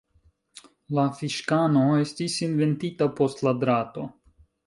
La fiŝkano estis inventita post la drato.